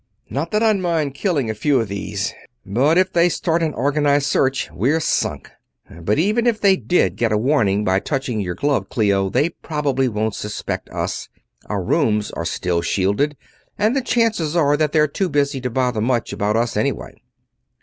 "Not that I'd mind killing a few of them, but if they start an organized search we're sunk. But even if they did get a warning by touching your glove, Clio, they probably won't suspect us. Our rooms are still shielded, and the chances are that they're too busy to bother much about us, anyway."